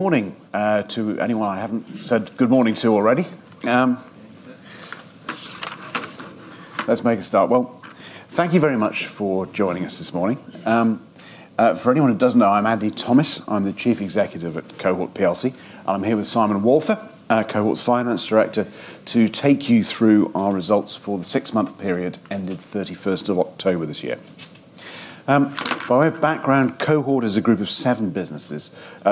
Morning to anyone I haven't said good morning to already. Let's make a start. Well, thank you very much for joining us this morning. For anyone who doesn't know, I'm Andy Thomis. I'm the Chief Executive at Cohort plc, and I'm here with Simon Walther, Cohort's Finance Director, to take you through our results for the six-month period ended 31st of October this year. By way of background, Cohort is a group of seven businesses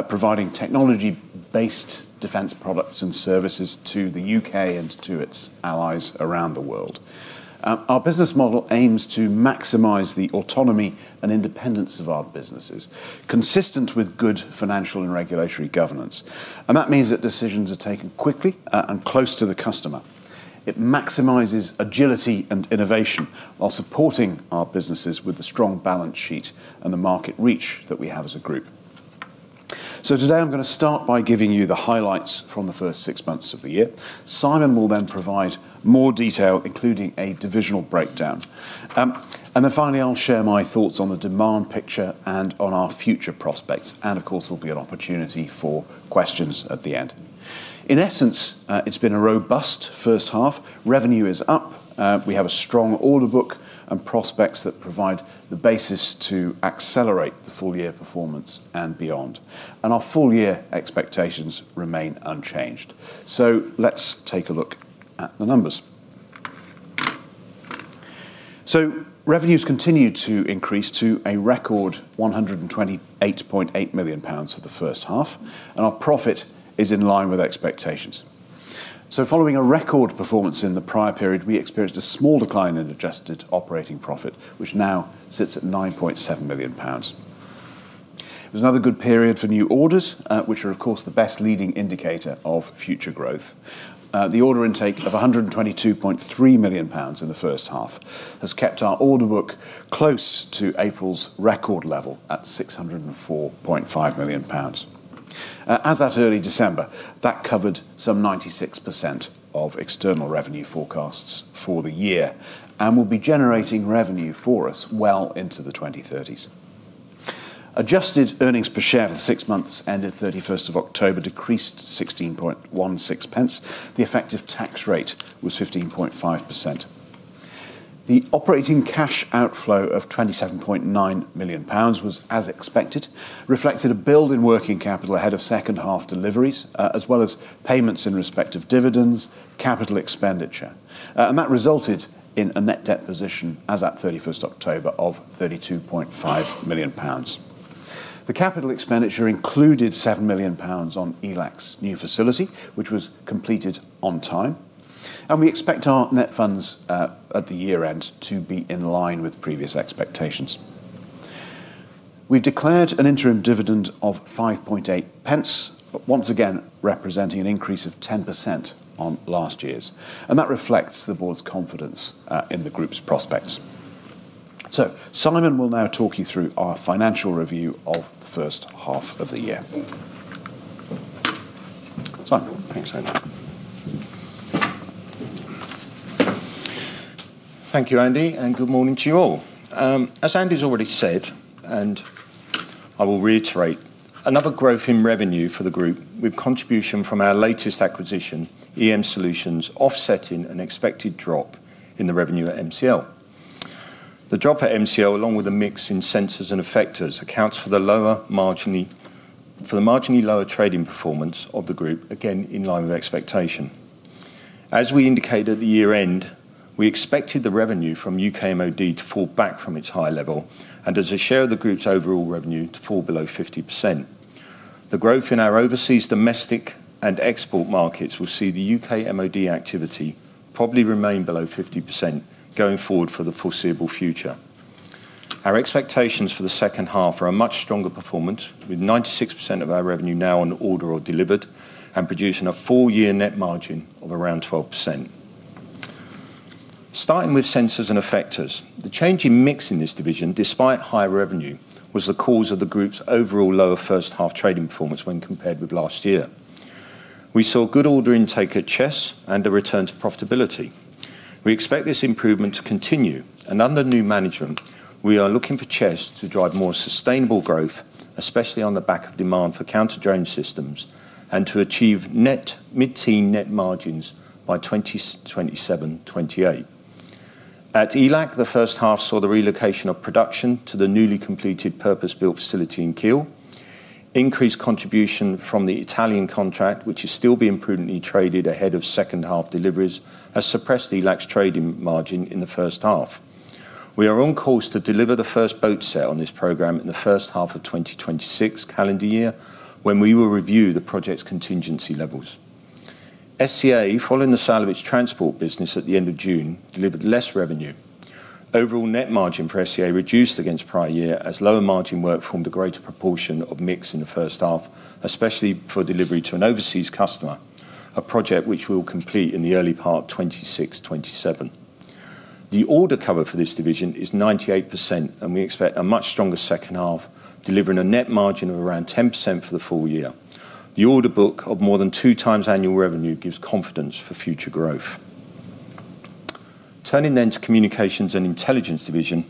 providing technology-based defense products and services to the U.K. and to its allies around the world. Our business model aims to maximize the autonomy and independence of our businesses, consistent with good financial and regulatory governance. And that means that decisions are taken quickly and close to the customer. It maximizes agility and innovation while supporting our businesses with the strong balance sheet and the market reach that we have as a group. So today I'm going to start by giving you the highlights from the first six months of the year. Simon will then provide more detail, including a divisional breakdown. And then finally, I'll share my thoughts on the demand picture and on our future prospects. And of course, there'll be an opportunity for questions at the end. In essence, it's been a robust first half. Revenue is up. We have a strong order book and prospects that provide the basis to accelerate the full-year performance and beyond. And our full-year expectations remain unchanged. So let's take a look at the numbers. So revenues continue to increase to a record 128.8 million pounds for the first half, and our profit is in line with expectations. So following a record performance in the prior period, we experienced a small decline in adjusted operating profit, which now sits at 9.7 million pounds. It was another good period for new orders, which are, of course, the best leading indicator of future growth. The order intake of 122.3 million pounds in the first half has kept our order book close to April's record level at 604.5 million pounds. As at early December, that covered some 96% of external revenue forecasts for the year and will be generating revenue for us well into the 2030s. Adjusted earnings per share for the six months ended 31st of October decreased 16.16. The effective tax rate was 15.5%. The operating cash outflow of 27.9 million pounds was, as expected, reflecting a build in working capital ahead of second-half deliveries, as well as payments in respect of dividends, capital expenditure, and that resulted in a net debt position as at 31st of October of 32.5 million pounds. The capital expenditure included 7 million pounds on ELAC's new facility, which was completed on time. We expect our net funds at the year-end to be in line with previous expectations. We've declared an interim dividend of 0.058, once again representing an increase of 10% on last year's. That reflects the board's confidence in the group's prospects. Simon will now talk you through our financial review of the first half of the year. Simon, thanks very much. Thank you, Andy, and good morning to you all. As Andy's already said, and I will reiterate, another growth in revenue for the group with contribution from our latest acquisition, EM Solutions, offsetting an expected drop in the revenue at MCL. The drop at MCL, along with a mix in Sensors and Effectors, accounts for the marginally lower trading performance of the group, again in line with expectation. As we indicated at the year-end, we expected the revenue from UK MOD to fall back from its high level and as a share of the group's overall revenue to fall below 50%. The growth in our overseas, domestic, and export markets will see the UK MOD activity probably remain below 50% going forward for the foreseeable future. Our expectations for the second half are a much stronger performance, with 96% of our revenue now on order or delivered and producing a full-year net margin of around 12%. Starting with Sensors and Effectors, the change in mix in this division, despite high revenue, was the cause of the group's overall lower first half trading performance when compared with last year. We saw good order intake at Chess and a return to profitability. We expect this improvement to continue, and under new management, we are looking for Chess to drive more sustainable growth, especially on the back of demand for counter-drone systems and to achieve net mid-teen net margins by 2027-2028. At ELAC, the first half saw the relocation of production to the newly completed purpose-built facility in Kiel. Increased contribution from the Italian contract, which is still being prudently traded ahead of second half deliveries, has suppressed ELAC's trading margin in the first half. We are on course to deliver the first boat sale on this programme in the first half of 2026 calendar year when we will review the project's contingency levels. SEA, following the sale of its transport business at the end of June, delivered less revenue. Overall net margin for SEA reduced against prior year as lower margin work formed a greater proportion of mix in the first half, especially for delivery to an overseas customer, a project which we will complete in the early part of 2026-2027. The order cover for this division is 98%, and we expect a much stronger second half, delivering a net margin of around 10% for the full year. The order book of more than two times annual revenue gives confidence for future growth. Turning then to Communications and Intelligence Division,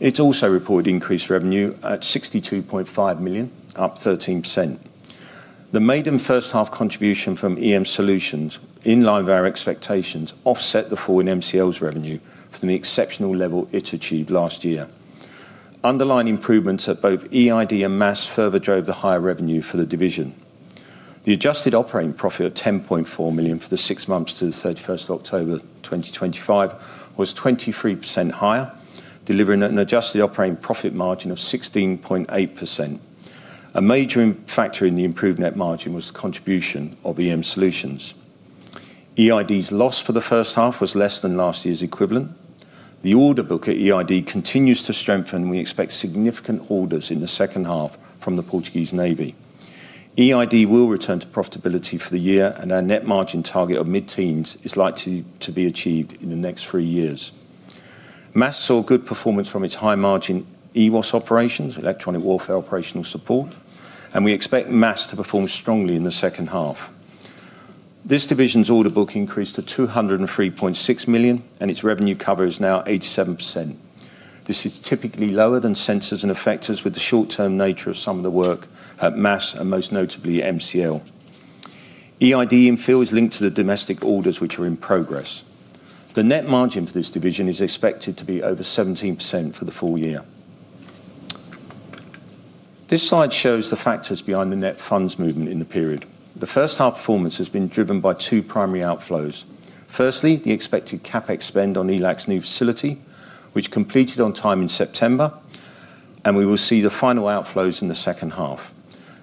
it's also reported increased revenue at 62.5 million, up 13%. The maiden first-half contribution from EM Solutions, in line with our expectations, offset the fall in MCL's revenue from the exceptional level it achieved last year. Underlying improvements at both EID and MASS further drove the higher revenue for the division. The adjusted operating profit of 10.4 million for the six months to 31st October 2025 was 23% higher, delivering an adjusted operating profit margin of 16.8%. A major factor in the improved net margin was the contribution of EM Solutions. EID's loss for the first half was less than last year's equivalent. The order book at EID continues to strengthen, and we expect significant orders in the second half from the Portuguese Navy. EID will return to profitability for the year, and our net margin target of mid-teens is likely to be achieved in the next three years. MASS saw good performance from its high margin EWOS operations, Electronic Warfare Operational Support, and we expect MASS to perform strongly in the second half. This division's order book increased to 203.6 million, and its revenue cover is now 87%. This is typically lower than Sensors and Effectors with the short-term nature of some of the work at MASS and most notably MCL. EID infill is linked to the domestic orders which are in progress. The net margin for this division is expected to be over 17% for the full year. This slide shows the factors behind the net funds movement in the period. The first half performance has been driven by two primary outflows. Firstly, the expected CapEx spend on ELAC's new facility, which completed on time in September, and we will see the final outflows in the second half.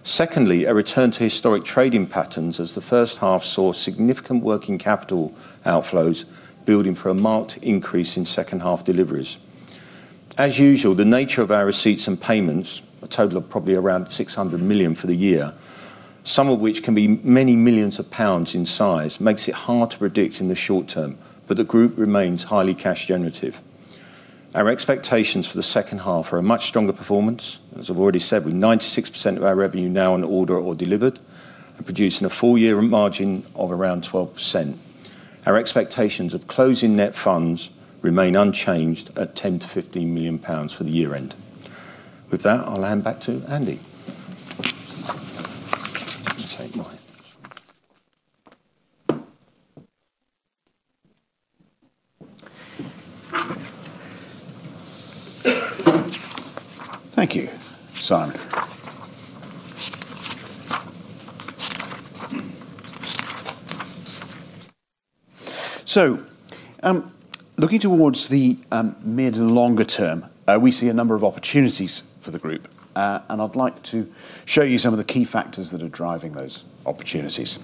Secondly, a return to historic trading patterns as the first half saw significant working capital outflows building for a marked increase in second half deliveries. As usual, the nature of our receipts and payments, a total of probably around 600 million for the year, some of which can be many millions of GBP in size, makes it hard to predict in the short term, but the group remains highly cash generative. Our expectations for the second half are a much stronger performance. As I've already said, with 96% of our revenue now on order or delivered, producing a full-year margin of around 12%. Our expectations of closing net funds remain unchanged at 10 million-15 million pounds for the year-end. With that, I'll hand back to Andy. Thank you, Simon, so looking towards the mid and longer term, we see a number of opportunities for the group, and I'd like to show you some of the key factors that are driving those opportunities,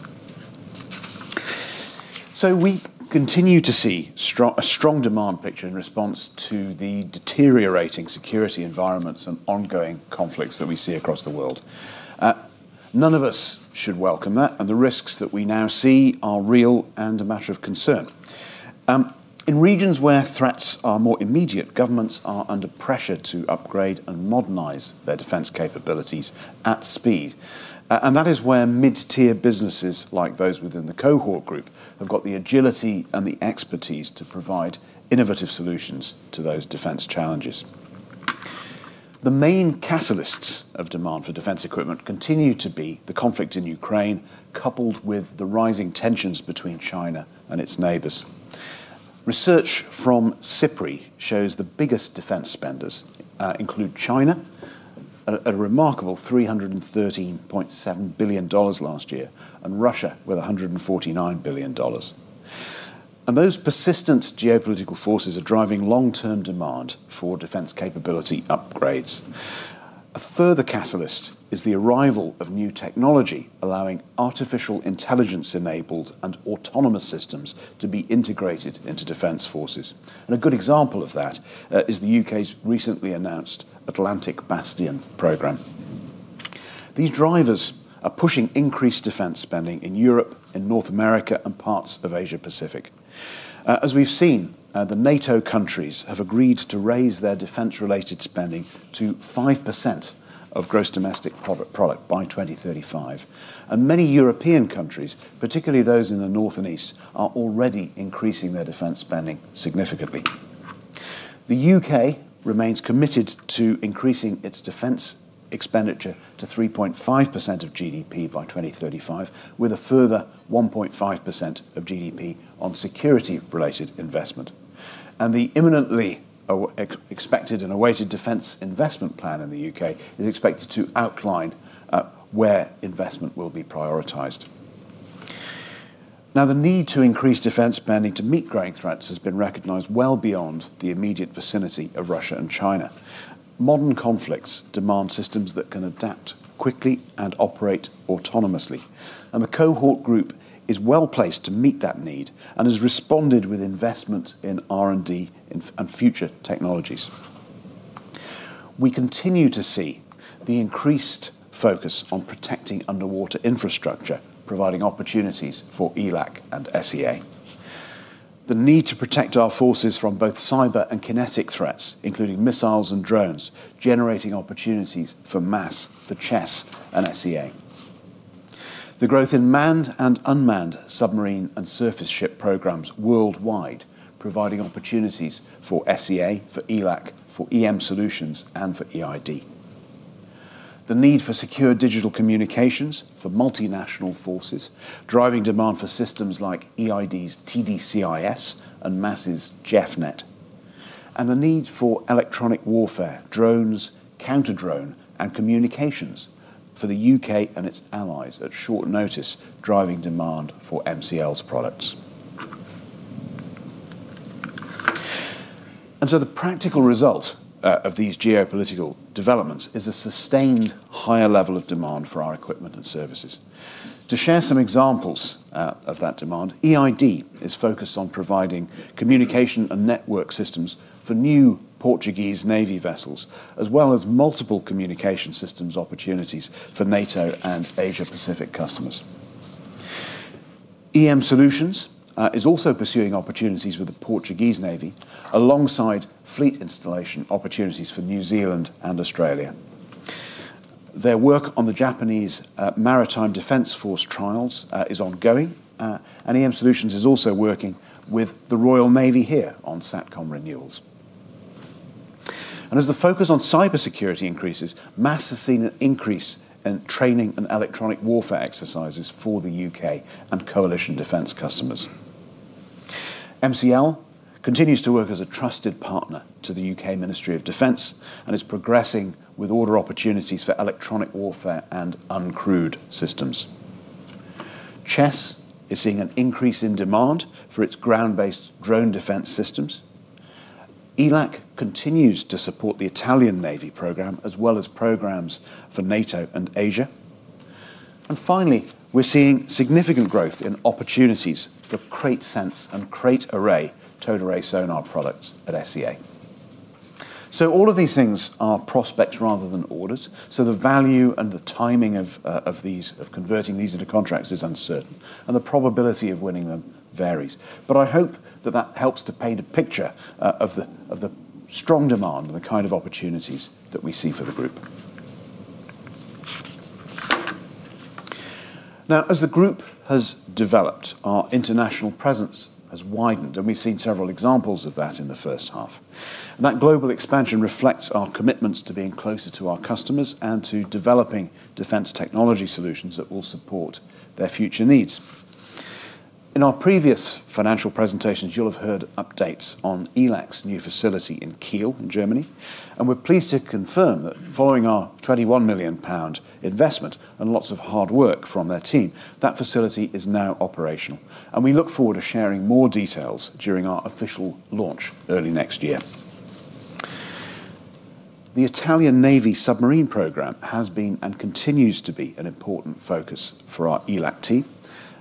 so we continue to see a strong demand picture in response to the deteriorating security environments and ongoing conflicts that we see across the world. None of us should welcome that, and the risks that we now see are real and a matter of concern. In regions where threats are more immediate, governments are under pressure to upgrade and modernize their defense capabilities at speed, and that is where mid-tier businesses like those within the Cohort group have got the agility and the expertise to provide innovative solutions to those defense challenges. The main catalysts of demand for defense equipment continue to be the conflict in Ukraine, coupled with the rising tensions between China and its neighbors. Research from SIPRI shows the biggest defense spenders include China, at a remarkable $313.7 billion last year, and Russia with $149 billion. And those persistent geopolitical forces are driving long-term demand for defense capability upgrades. A further catalyst is the arrival of new technology, allowing artificial intelligence-enabled and autonomous systems to be integrated into defense forces. And a good example of that is the U.K.'s recently announced Atlantic Bastion program. These drivers are pushing increased defense spending in Europe, in North America, and parts of Asia-Pacific. As we've seen, the NATO countries have agreed to raise their defense-related spending to 5% of gross domestic product by 2035. And many European countries, particularly those in the north and east, are already increasing their defense spending significantly. The U.K. remains committed to increasing its defense expenditure to 3.5% of GDP by 2035, with a further 1.5% of GDP on security-related investment, and the imminently expected and awaited Defence Investment Plan in the U.K. is expected to outline where investment will be prioritized. Now, the need to increase defense spending to meet growing threats has been recognized well beyond the immediate vicinity of Russia and China. Modern conflicts demand systems that can adapt quickly and operate autonomously, and the Cohort group is well placed to meet that need and has responded with investment in R&D and future technologies. We continue to see the increased focus on protecting underwater infrastructure, providing opportunities for ELAC and SEA. The need to protect our forces from both cyber and kinetic threats, including missiles and drones, generating opportunities for MASS, for Chess, and SEA. The growth in manned and unmanned submarine and surface ship programs worldwide providing opportunities for SEA, for ELAC, for EM Solutions, and for EID, the need for secure digital communications for multinational forces, driving demand for systems like EID's TDCIS and MASS's JEFNET, and the need for electronic warfare, drones, counter-drone, and communications for the U.K. and its allies at short notice, driving demand for MCL's products, and so the practical result of these geopolitical developments is a sustained higher level of demand for our equipment and services. To share some examples of that demand, EID is focused on providing communication and network systems for new Portuguese Navy vessels, as well as multiple communication systems opportunities for NATO and Asia-Pacific customers. EM Solutions is also pursuing opportunities with the Portuguese Navy, alongside fleet installation opportunities for New Zealand and Australia. Their work on the Japanese Maritime Self-Defence Force trials is ongoing, and EM Solutions is also working with the Royal Navy here on SATCOM renewals. And as the focus on cyber security increases, MASS has seen an increase in training and electronic warfare exercises for the UK and coalition defense customers. MCL continues to work as a trusted partner to the UK Ministry of Defence and is progressing with order opportunities for electronic warfare and uncrewed systems. Chess is seeing an increase in demand for its ground-based drone defense systems. ELAC continues to support the Italian Navy program, as well as programs for NATO and Asia. And finally, we're seeing significant growth in opportunities for KraitSense and KraitArray, towed array sonar products at SEA. So all of these things are prospects rather than orders. The value and the timing of these, of converting these into contracts, is uncertain, and the probability of winning them varies. But I hope that that helps to paint a picture of the strong demand and the kind of opportunities that we see for the group. Now, as the group has developed, our international presence has widened, and we've seen several examples of that in the first half. And that global expansion reflects our commitments to being closer to our customers and to developing defense technology solutions that will support their future needs. In our previous financial presentations, you'll have heard updates on ELAC's new facility in Kiel in Germany, and we're pleased to confirm that following our 21 million pound investment and lots of hard work from their team, that facility is now operational. And we look forward to sharing more details during our official launch early next year. The Italian Navy submarine program has been and continues to be an important focus for our ELAC team,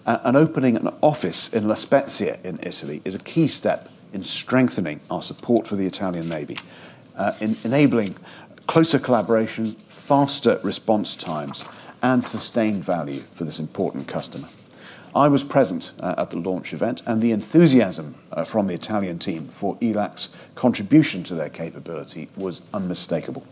and opening an office in La Spezia in Italy is a key step in strengthening our support for the Italian Navy, enabling closer collaboration, faster response times, and sustained value for this important customer. I was present at the launch event, and the enthusiasm from the Italian team for ELAC's contribution to their capability was unmistakable,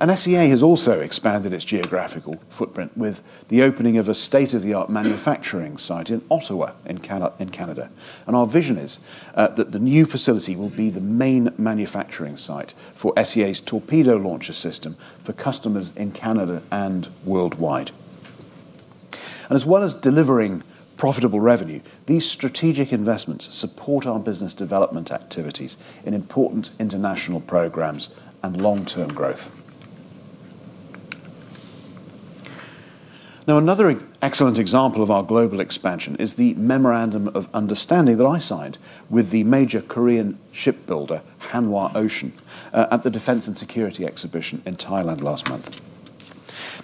and SEA has also expanded its geographical footprint with the opening of a state-of-the-art manufacturing site in Ottawa in Canada, and our vision is that the new facility will be the main manufacturing site for SEA's torpedo launcher system for customers in Canada and worldwide, and as well as delivering profitable revenue, these strategic investments support our business development activities in important international programs and long-term growth. Now, another excellent example of our global expansion is the memorandum of understanding that I signed with the major Korean shipbuilder Hanwha Ocean at the Defense and Security Exhibition in Thailand last month.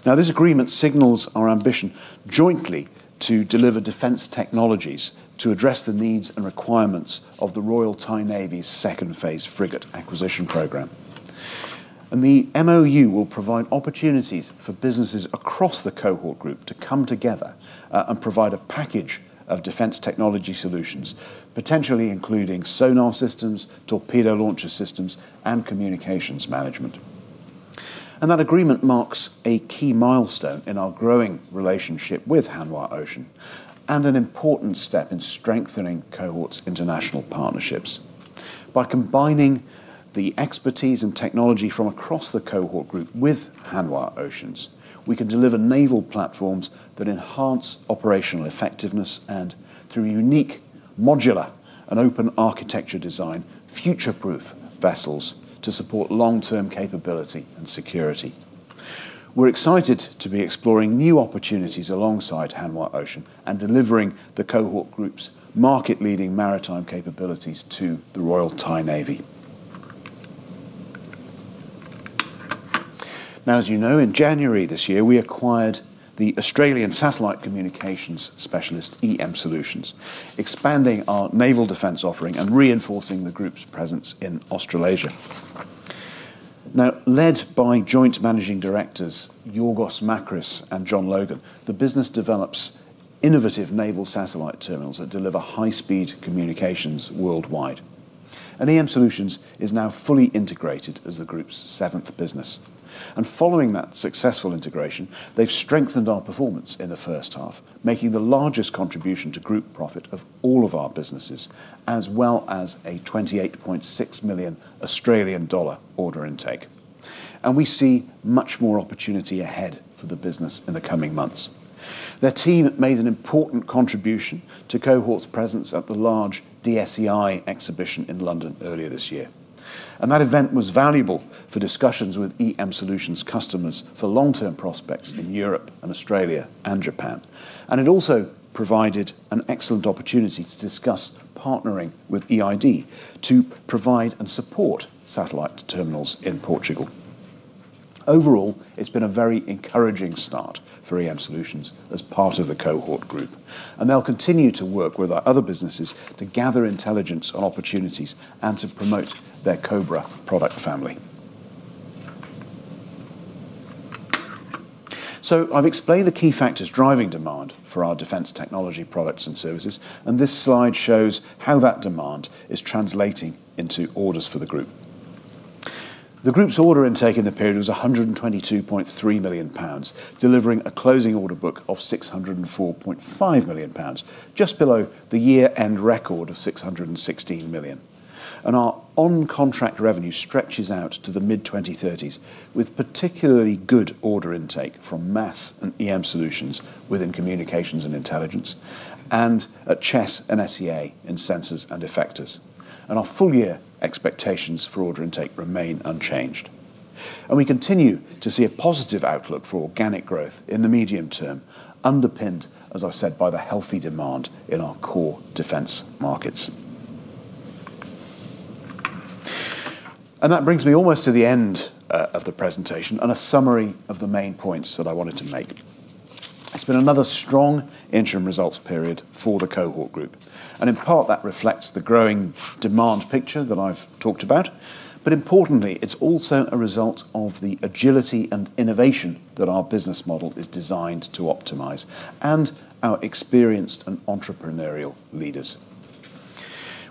Now, this agreement signals our ambition jointly to deliver defense technologies to address the needs and requirements of the Royal Thai Navy's second phase frigate acquisition program, and the MoU will provide opportunities for businesses across the Cohort group to come together and provide a package of defense technology solutions, potentially including sonar systems, torpedo launcher systems, and communications management, and that agreement marks a key milestone in our growing relationship with Hanwha Ocean and an important step in strengthening Cohort's international partnerships. By combining the expertise and technology from across the Cohort group with Hanwha Ocean, we can deliver naval platforms that enhance operational effectiveness and, through unique modular and open architecture design, future-proof vessels to support long-term capability and security. We're excited to be exploring new opportunities alongside Hanwha Ocean and delivering the Cohort group's market-leading maritime capabilities to the Royal Thai Navy. Now, as you know, in January this year, we acquired the Australian Satellite Communications Specialist, EM Solutions, expanding our naval defence offering and reinforcing the group's presence in Australasia. Now, led by joint managing directors, Yorgos Makris and John Logan, the business develops innovative naval satellite terminals that deliver high-speed communications worldwide, and EM Solutions is now fully integrated as the group's seventh business. And following that successful integration, they've strengthened our performance in the first half, making the largest contribution to group profit of all of our businesses, as well as a 28.6 million Australian dollar order intake. And we see much more opportunity ahead for the business in the coming months. Their team made an important contribution to Cohort's presence at the large DSEI exhibition in London earlier this year. And that event was valuable for discussions with EM Solutions customers for long-term prospects in Europe and Australia and Japan. And it also provided an excellent opportunity to discuss partnering with EID to provide and support satellite terminals in Portugal. Overall, it's been a very encouraging start for EM Solutions as part of the Cohort group, and they'll continue to work with our other businesses to gather intelligence on opportunities and to promote their Cobra product family. I've explained the key factors driving demand for our defense technology products and services, and this slide shows how that demand is translating into orders for the group. The group's order intake in the period was 122.3 million pounds, delivering a closing order book of 604.5 million pounds, just below the year-end record of 616 million. And our on-contract revenue stretches out to the mid-2030s, with particularly good order intake from MASS and EM Solutions within communications and intelligence, and Chess and SEA in Sensors and Effectors. And our full-year expectations for order intake remain unchanged. And we continue to see a positive outlook for organic growth in the medium term, underpinned, as I've said, by the healthy demand in our core defense markets. And that brings me almost to the end of the presentation and a summary of the main points that I wanted to make. It's been another strong interim results period for the Cohort Group, and in part that reflects the growing demand picture that I've talked about. But importantly, it's also a result of the agility and innovation that our business model is designed to optimize and our experienced and entrepreneurial leaders.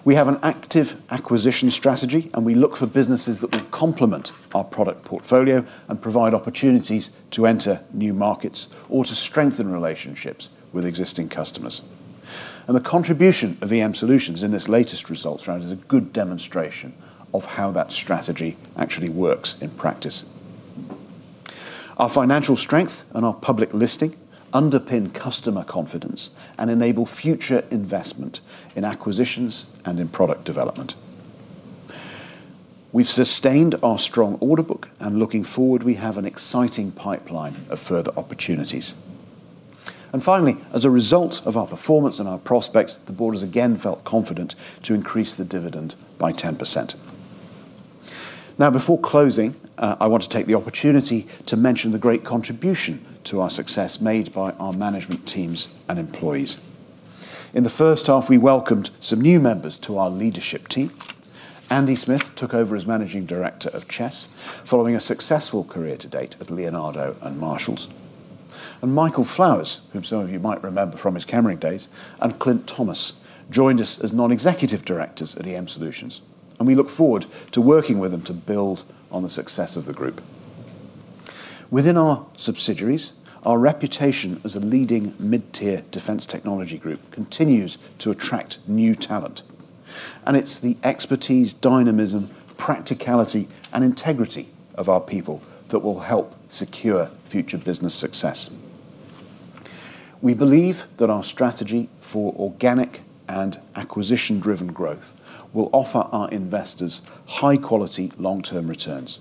We have an active acquisition strategy, and we look for businesses that will complement our product portfolio and provide opportunities to enter new markets or to strengthen relationships with existing customers. And the contribution of EM Solutions in this latest results round is a good demonstration of how that strategy actually works in practice. Our financial strength and our public listing underpin customer confidence and enable future investment in acquisitions and in product development. We've sustained our strong order book, and looking forward, we have an exciting pipeline of further opportunities. And finally, as a result of our performance and our prospects, the board has again felt confident to increase the dividend by 10%. Now, before closing, I want to take the opportunity to mention the great contribution to our success made by our management teams and employees. In the first half, we welcomed some new members to our leadership team. Andy Smith took over as managing director of Chess, following a successful career to date at Leonardo and Marshall. And Michael Flowers, whom some of you might remember from his Chemring days, and Clint Thomas joined us as non-executive directors at EM Solutions. And we look forward to working with them to build on the success of the group. Within our subsidiaries, our reputation as a leading mid-tier defense technology group continues to attract new talent. It's the expertise, dynamism, practicality, and integrity of our people that will help secure future business success. We believe that our strategy for organic and acquisition-driven growth will offer our investors high-quality long-term returns,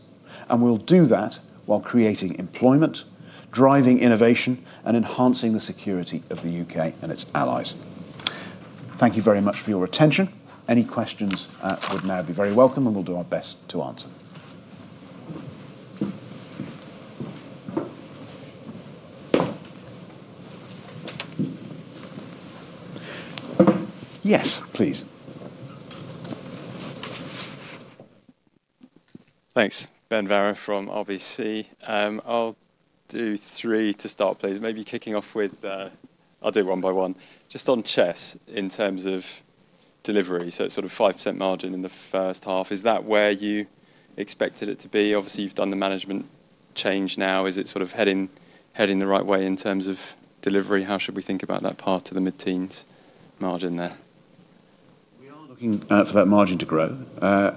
and we'll do that while creating employment, driving innovation, and enhancing the security of the UK and its allies. Thank you very much for your attention. Any questions would now be very welcome, and we'll do our best to answer. Yes, please. Thanks. Ben Vara from RBC. I'll do three to start, please. Maybe kicking off with, I'll do one by one. Just on Chess in terms of delivery, so it's sort of 5% margin in the first half. Is that where you expected it to be? Obviously, you've done the management change now. Is it sort of heading the right way in terms of delivery? How should we think about that part of the mid-teens margin there? We are looking for that margin to grow.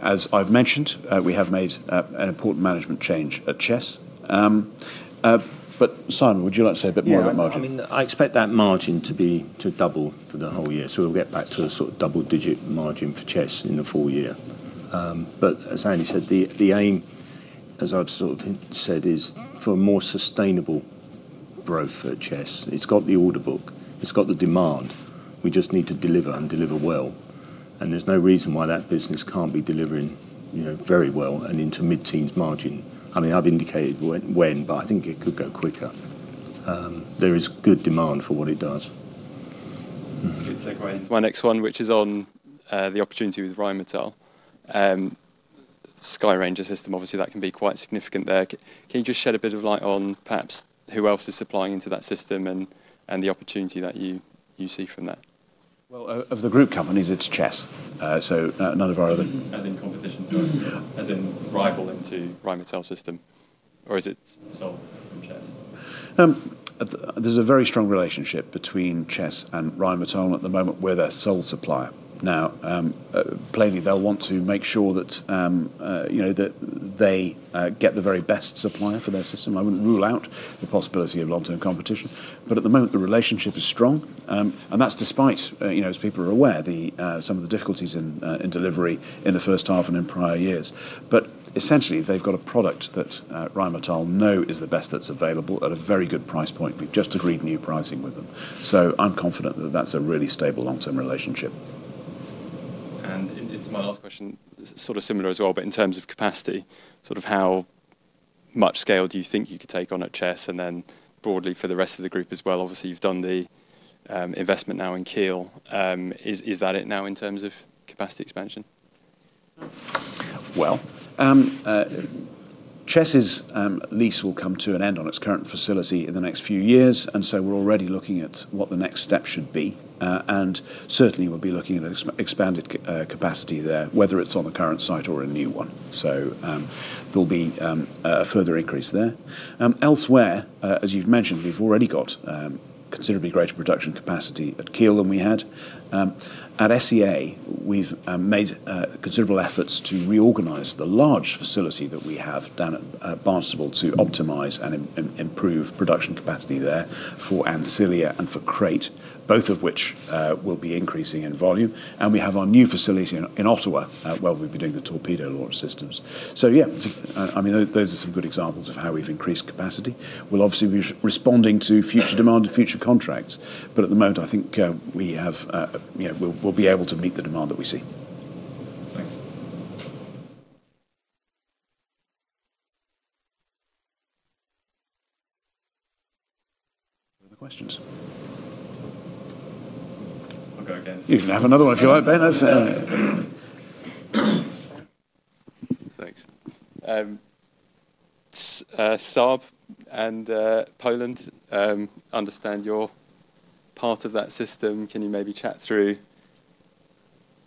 As I've mentioned, we have made an important management change at Chess. But Simon, would you like to say a bit more about margin? Yeah, I mean, I expect that margin to double for the whole year. So we'll get back to a sort of double-digit margin for Chess in the full year. But as Andy said, the aim, as I've sort of said, is for a more sustainable growth for Chess. It's got the order book. It's got the demand. We just need to deliver and deliver well. And there's no reason why that business can't be delivering very well and into mid-teens margin. I mean, I've indicated when, but I think it could go quicker. There is good demand for what it does. That's a good segue into my next one, which is on the opportunity with Rheinmetall. Skyranger system, obviously, that can be quite significant there. Can you just shed a bit of light on perhaps who else is supplying into that system and the opportunity that you see from that? Well, of the group companies, it's Chess. So none of our other As in competition, sorry. As in rival into Rheinmetall system? Or is it sold from Chess? There's a very strong relationship between Chess and Rheinmetall at the moment. We're their sole supplier. Now, plainly, they'll want to make sure that they get the very best supplier for their system. I wouldn't rule out the possibility of long-term competition. But at the moment, the relationship is strong. And that's despite, as people are aware, some of the difficulties in delivery in the first half and in prior years. But essentially, they've got a product that Rheinmetall know is the best that's available at a very good price point. We've just agreed new pricing with them. So I'm confident that that's a really stable long-term relationship. And it's my last question, sort of similar as well, but in terms of capacity, sort of how much scale do you think you could take on at Chess and then broadly for the rest of the group as well? Obviously, you've done the investment now in Kiel. Is that it now in terms of capacity expansion? Well, Chess's lease will come to an end on its current facility in the next few years, and so we're already looking at what the next step should be. And certainly, we'll be looking at expanded capacity there, whether it's on the current site or a new one. So there'll be a further increase there. Elsewhere, as you've mentioned, we've already got considerably greater production capacity at Kiel than we had. At SEA, we've made considerable efforts to reorganize the large facility that we have down at Barnstaple to optimize and improve production capacity there for Ancilia and for Krait, both of which will be increasing in volume, and we have our new facility in Ottawa where we'll be doing the torpedo launch systems. So yeah, I mean, those are some good examples of how we've increased capacity. We'll obviously be responding to future demand and future contracts, but at the moment, I think we'll be able to meet the demand that we see. Thanks. No other questions. I'll go again. You can have another one if you like, Ben. Thanks. Saab and Poland, understand your part of that system. Can you maybe chat through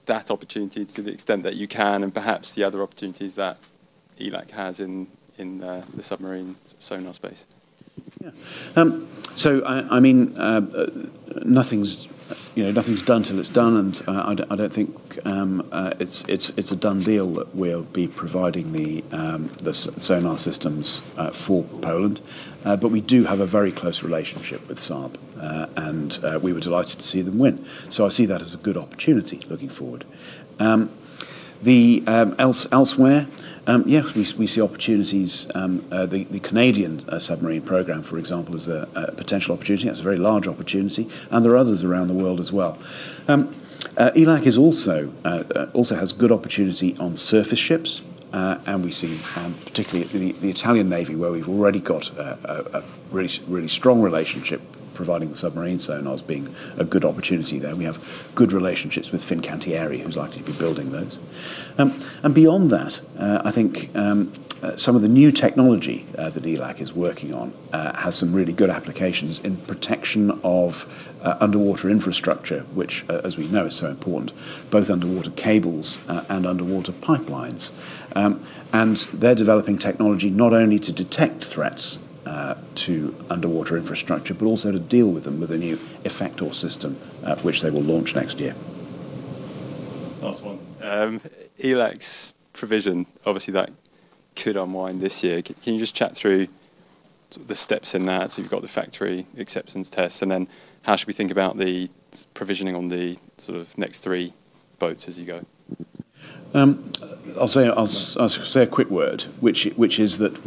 that opportunity to the extent that you can and perhaps the other opportunities that ELAC has in the submarine sonar system? Yeah, so I mean, nothing's done till it's done, and I don't think it's a done deal that we'll be providing the sonar systems for Poland. But we do have a very close relationship with Saab, and we were delighted to see them win. So I see that as a good opportunity looking forward. Elsewhere, yes, we see opportunities. The Canadian submarine program, for example, is a potential opportunity. That's a very large opportunity. And there are others around the world as well. ELAC also has good opportunity on surface ships, and we see particularly the Italian Navy, where we've already got a really strong relationship providing the submarine sonars being a good opportunity there. We have good relationships with Fincantieri, who's likely to be building those, and beyond that, I think some of the new technology that ELAC is working on has some really good applications in protection of underwater infrastructure, which, as we know, is so important, both underwater cables and underwater pipelines, and they're developing technology not only to detect threats to underwater infrastructure, but also to deal with them with a new effector system, which they will launch next year. Last one. ELAC's provision, obviously, that could unwind this year. Can you just chat through the steps in that, so you've got the factory acceptance tests, and then how should we think about the provisioning on the sort of next three boats as you go? I'll say a quick word, which is that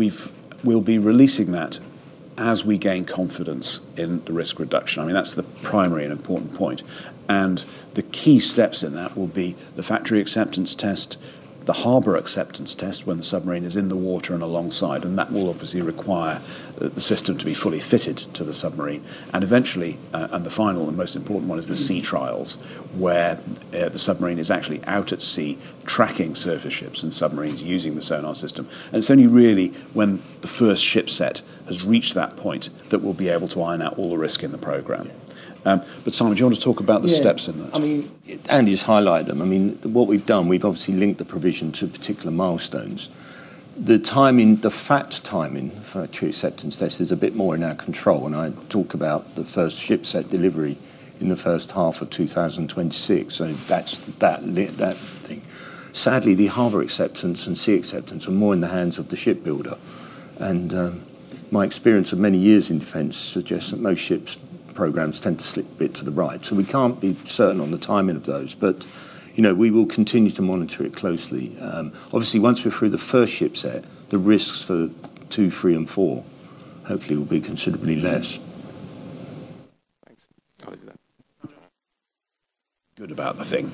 we'll be releasing that as we gain confidence in the risk reduction. I mean, that's the primary and important point, and the key steps in that will be the factory acceptance test, the harbor acceptance test when the submarine is in the water and alongside, and that will obviously require the system to be fully fitted to the submarine, and eventually, and the final and most important one is the sea trials, where the submarine is actually out at sea tracking surface ships and submarines using the sonar system, and it's only really when the first ship set has reached that point that we'll be able to iron out all the risk in the program, but Simon, do you want to talk about the steps in that? I mean, Andy's highlighted them. I mean, what we've done, we've obviously linked the provision to particular milestones. The timing, the fact timing for true acceptance tests is a bit more in our control. I talk about the first ship set delivery in the first half of 2026. That's that thing. Sadly, the harbor acceptance and sea acceptance are more in the hands of the shipbuilder. My experience of many years in defense suggests that most ships' programs tend to slip a bit to the right. We can't be certain on the timing of those, but we will continue to monitor it closely. Obviously, once we're through the first ship set, the risks for two, three, and four hopefully will be considerably less. Thanks. I'll leave it there. Good about the thing.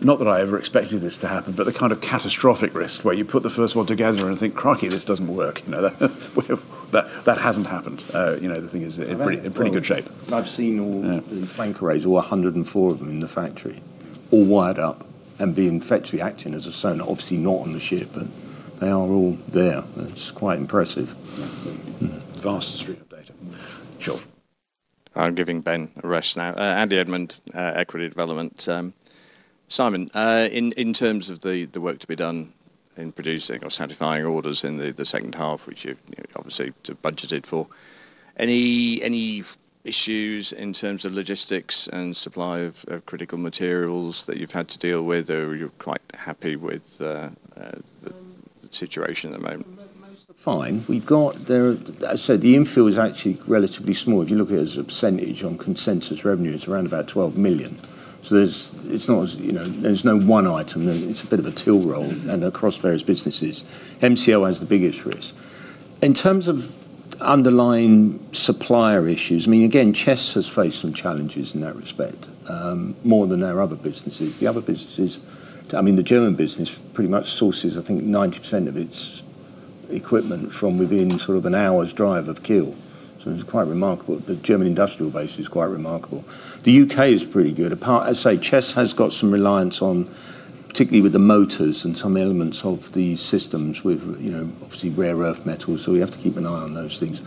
Not that I ever expected this to happen, but the kind of catastrophic risk where you put the first one together and think, "Cracky, this doesn't work." That hasn't happened. The thing is in pretty good shape. I've seen all the flank arrays, all 104 of them in the factory, all wired up and being factory acceptance tested as a sonar, obviously not on the ship, but they are all there. It's quite impressive. Vast stream of data. Sure. I'm giving Ben a rest now. Andy Edmond, Equity Development. Simon, in terms of the work to be done in producing or satisfying orders in the second half, which you've obviously budgeted for, any issues in terms of logistics and supply of critical materials that you've had to deal with, or you're quite happy with the situation at the moment? Fine. We've got there, so the infill is actually relatively small. If you look at it as a percentage on consensus revenue, it's around about 12 million. So it's not as there's no one item. It's a bit of a till roll and across various businesses. MCL has the biggest risk. In terms of underlying supplier issues, I mean, again, Chess has faced some challenges in that respect, more than their other businesses. The other businesses, I mean, the German business pretty much sources, I think, 90% of its equipment from within sort of an hour's drive of Kiel. So it's quite remarkable. The German industrial base is quite remarkable. The U.K. is pretty good. As I say, Chess has got some reliance on, particularly with the motors and some elements of the systems with, obviously, rare earth metals. So we have to keep an eye on those things.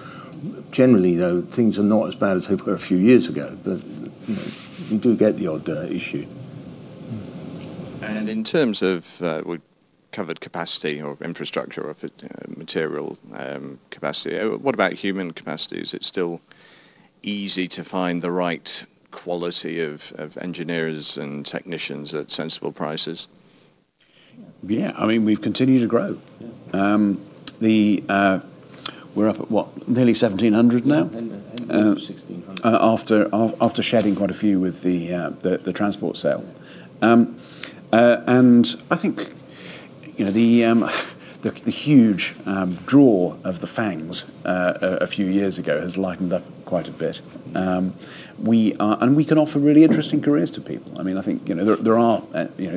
Generally, though, things are not as bad as they were a few years ago, but we do get the odd issue and in terms of we covered capacity or infrastructure or material capacity. What about human capacity? Is it still easy to find the right quality of engineers and technicians at sensible prices? Yeah. I mean, we've continued to grow. We're up at what, nearly 1,700 now, and 1,600 after shedding quite a few with the transport sale, and I think the huge draw of the FAANGs a few years ago has lightened up quite a bit, and we can offer really interesting careers to people. I mean, I think there are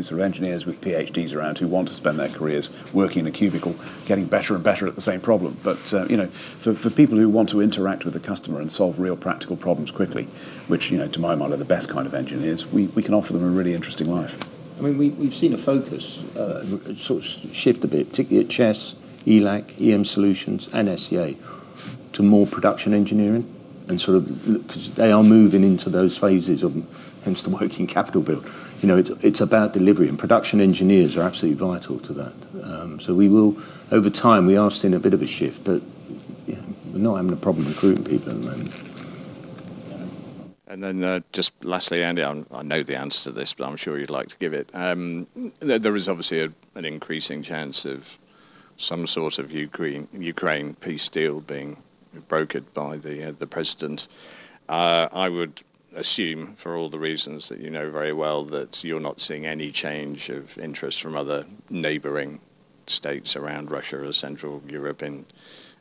sort of engineers with PhDs around who want to spend their careers working in a cubicle, getting better and better at the same problem, but for people who want to interact with the customer and solve real practical problems quickly, which, to my mind, are the best kind of engineers, we can offer them a really interesting life. I mean, we've seen a focus sort of shift a bit, particularly at Chess, ELAC, EM Solutions, and SEA, to more production engineering and sort of because they are moving into those phases of hence the working capital build. It's about delivery, and production engineers are absolutely vital to that. So we will, over time, we are seeing a bit of a shift, but we're not having a problem recruiting people at the moment. And then just lastly, Andy, I know the answer to this, but I'm sure you'd like to give it. There is obviously an increasing chance of some sort of Ukraine peace deal being brokered by the president. I would assume, for all the reasons that you know very well, that you're not seeing any change of interest from other neighboring states around Russia or Central Europe in,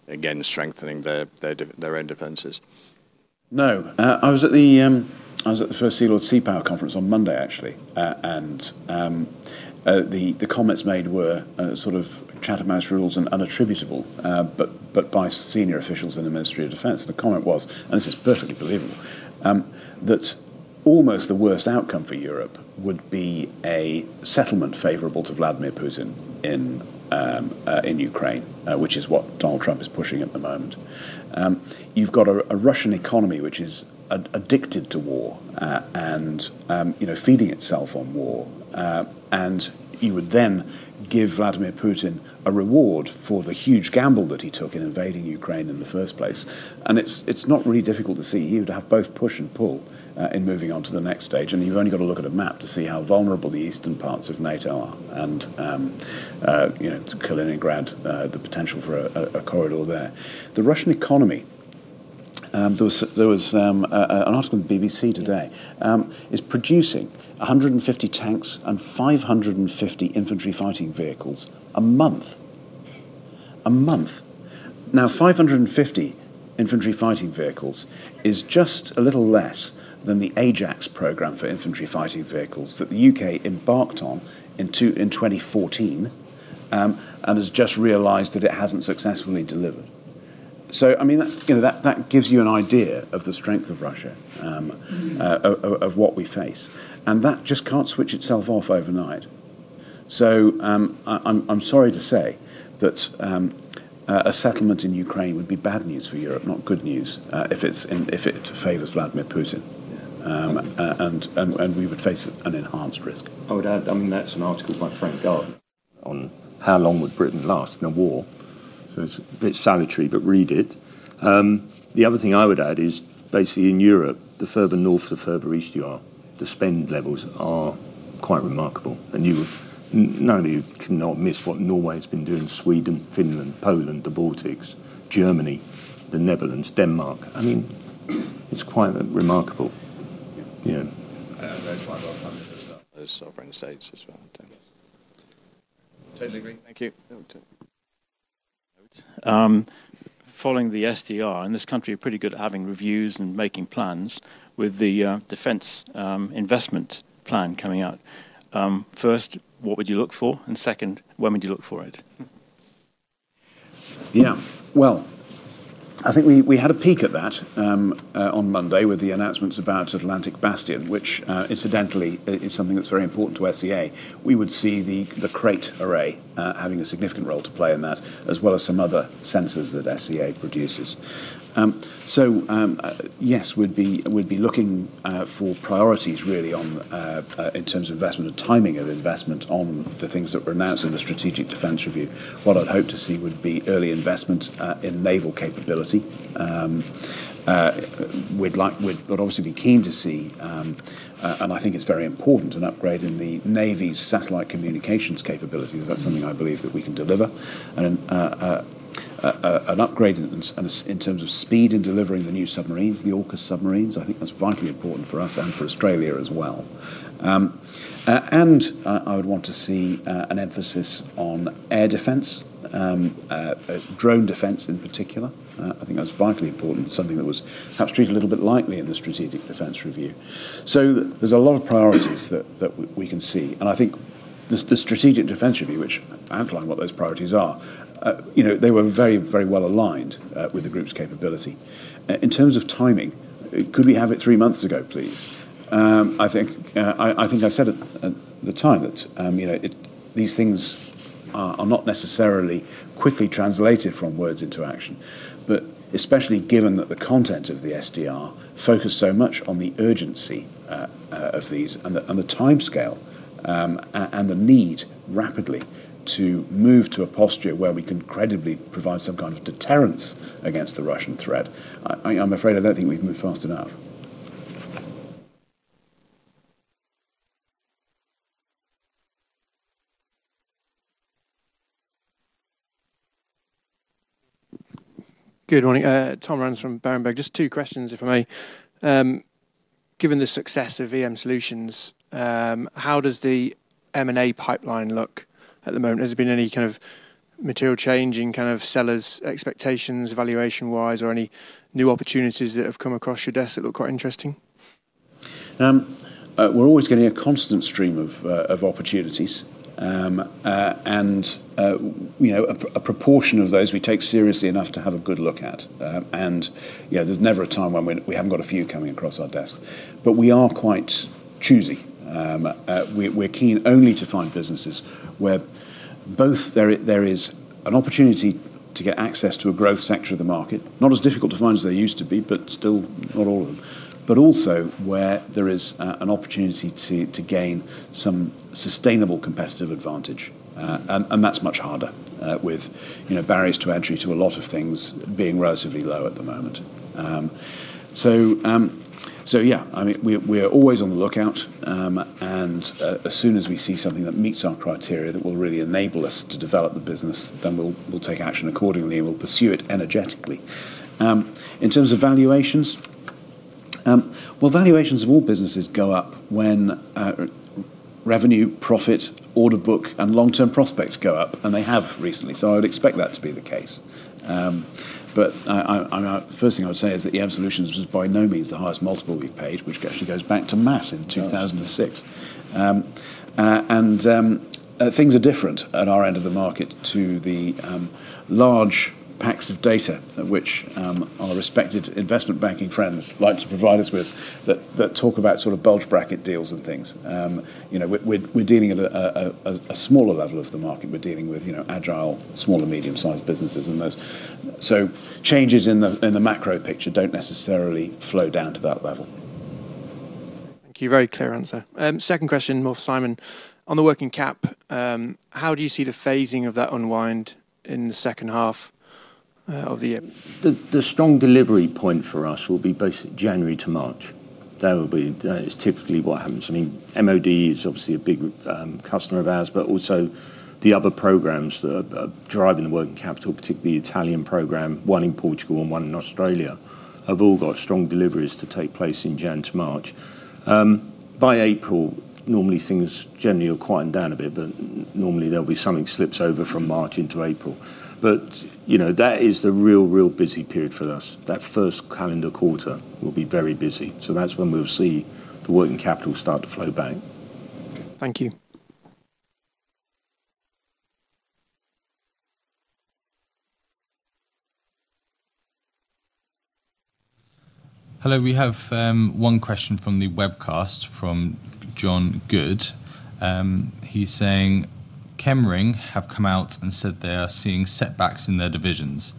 again, strengthening their own defenses. No. I was at the First Sea Lord's Sea Power Conference on Monday, actually, and the comments made were sort of Chatham House Rule and unattributable, but by senior officials in the Ministry of Defence. And the comment was, and this is perfectly believable, that almost the worst outcome for Europe would be a settlement favorable to Vladimir Putin in Ukraine, which is what Donald Trump is pushing at the moment. You've got a Russian economy which is addicted to war and feeding itself on war. And you would then give Vladimir Putin a reward for the huge gamble that he took in invading Ukraine in the first place. And it's not really difficult to see. You would have both push and pull in moving on to the next stage. And you've only got to look at a map to see how vulnerable the eastern parts of NATO are and to Kaliningrad, the potential for a corridor there. The Russian economy, there was an article in the BBC today, is producing 150 tanks and 550 infantry fighting vehicles a month. A month. Now, 550 infantry fighting vehicles is just a little less than the Ajax program for infantry fighting vehicles that the U.K. embarked on in 2014 and has just realized that it hasn't successfully delivered. So I mean, that gives you an idea of the strength of Russia, of what we face. And that just can't switch itself off overnight. So I'm sorry to say that a settlement in Ukraine would be bad news for Europe, not good news if it favors Vladimir Putin, and we would face an enhanced risk. I would add, I mean, that's an article by Frank Gardner on how long would Britain last in a war. So it's a bit salutary, but read it. The other thing I would add is basically in Europe, the further north, the further east you are, the spend levels are quite remarkable, and none of you can not miss what Norway has been doing, Sweden, Finland, Poland, the Baltics, Germany, the Netherlands, Denmark. I mean, it's quite remarkable. Yeah, and they're quite well funded as well. Those suffering states as well, I think. Totally agree. Thank you. Following the SDR and this country are pretty good at having reviews and making plans with the Defence Investment Plan coming out. First, what would you look for? And second, when would you look for it? Yeah. I think we had a peek at that on Monday with the announcements about Atlantic Bastion, which, incidentally, is something that's very important to SEA. We would see the KraitArray having a significant role to play in that, as well as some other Sensors that SEA produces. So yes, we'd be looking for priorities, really, in terms of investment and timing of investment on the things that were announced in the Strategic Defence Review. What I'd hope to see would be early investment in naval capability. We'd obviously be keen to see, and I think it's very important, an upgrade in the Navy's satellite communications capability. That's something I believe that we can deliver. And an upgrade in terms of speed in delivering the new submarines, the AUKUS submarines, I think that's vitally important for us and for Australia as well. And I would want to see an emphasis on air defense, drone defense in particular. I think that's vitally important, something that was perhaps treated a little bit lightly in the Strategic Defence Review. So there's a lot of priorities that we can see. And I think the Strategic Defense Review, which outlined what those priorities are, they were very, very well aligned with the group's capability. In terms of timing, could we have it three months ago, please? I think I said at the time that these things are not necessarily quickly translated from words into action, but especially given that the content of the SDR focused so much on the urgency of these and the timescale and the need rapidly to move to a posture where we can credibly provide some kind of deterrence against the Russian threat, I'm afraid I don't think we've moved fast enough. Good morning. Thomas Rands from Berenberg. Just two questions, if I may. Given the success of EM Solutions, how does the M&A pipeline look at the moment? Has there been any kind of material change in kind of sellers' expectations, valuation-wise, or any new opportunities that have come across your desk that look quite interesting? We're always getting a constant stream of opportunities. And a proportion of those we take seriously enough to have a good look at. And there's never a time when we haven't got a few coming across our desks. But we are quite choosy. We're keen only to find businesses where both there is an opportunity to get access to a growth sector of the market, not as difficult to find as they used to be, but still not all of them, but also where there is an opportunity to gain some sustainable competitive advantage. And that's much harder with barriers to entry to a lot of things being relatively low at the moment. So yeah, I mean, we're always on the lookout. And as soon as we see something that meets our criteria that will really enable us to develop the business, then we'll take action accordingly, and we'll pursue it energetically. In terms of valuations, well, valuations of all businesses go up when revenue, profit, order book, and long-term prospects go up, and they have recently. So I would expect that to be the case. But the first thing I would say is that EM Solutions was by no means the highest multiple we've paid, which actually goes back to MASS in 2006. And things are different at our end of the market to the large packs of data which our respected investment banking friends like to provide us with that talk about sort of bulge bracket deals and things. We're dealing at a smaller level of the market. We're dealing with agile, small and medium-sized businesses and those. So changes in the macro picture don't necessarily flow down to that level. Thank you. Very clear answer. Second question, more for Simon. On the working cap, how do you see the phasing of that unwind in the second half of the year? The strong delivery point for us will be basically January to March. That is typically what happens. I mean, MOD is obviously a big customer of ours, but also the other programs that are driving the working capital, particularly the Italian program, one in Portugal and one in Australia, have all got strong deliveries to take place in January to March. By April, normally things generally are quieted down a bit, but normally there'll be something slips over from March into April. But that is the real, real busy period for us. That first calendar quarter will be very busy. So that's when we'll see the working capital start to flow back. Thank you. Hello. We have one question from the webcast from John Good. He's saying, "Chemring have come out and said they are seeing setbacks in their divisions,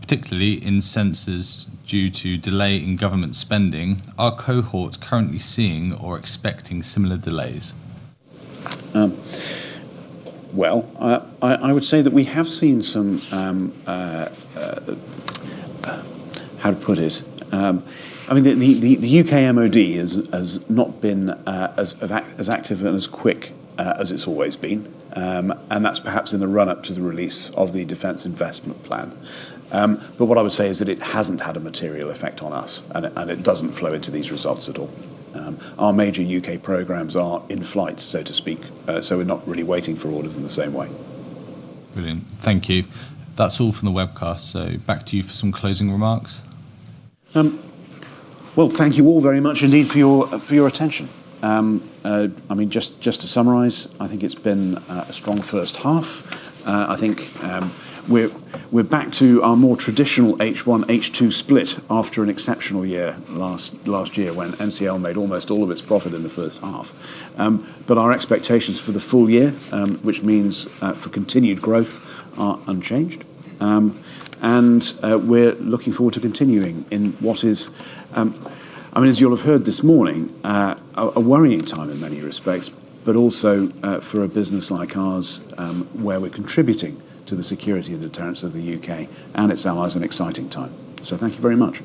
particularly in Sensors due to delay in government spending. Are Cohorts currently seeing or expecting similar delays?" Well, I would say that we have seen some, how to put it, I mean, the UK MOD has not been as active and as quick as it's always been, and that's perhaps in the run-up to the release of the Defence Investment Plan, but what I would say is that it hasn't had a material effect on us, and it doesn't flow into these results at all. Our major U.K. programs are in flight, so to speak, so we're not really waiting for orders in the same way. Brilliant. Thank you. That's all from the webcast, so back to you for some closing remarks, well, thank you all very much indeed for your attention. I mean, just to summarize, I think it's been a strong first half. I think we're back to our more traditional H1, H2 split after an exceptional year last year when MCL made almost all of its profit in the first half. But our expectations for the full year, which means for continued growth, are unchanged. And we're looking forward to continuing in what is, I mean, as you'll have heard this morning, a worrying time in many respects, but also for a business like ours where we're contributing to the security and deterrence of the U.K. and its allies, an exciting time. So thank you very much.